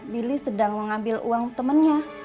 billy sedang mengambil uang temannya